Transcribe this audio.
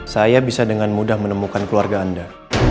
saya bisa dengan mudah menemukan keluarga anda